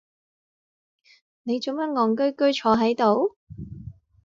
你做乜戇居居坐係度？